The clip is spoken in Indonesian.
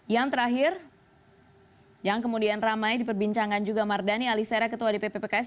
yang terakhir yang kemudian ramai diperbincangkan juga mardani alisera ketua dpp pks